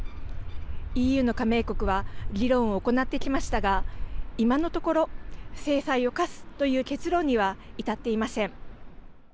ＥＵの加盟国は議論を行ってきましたが今のところ制裁を科すという結論には至っていません。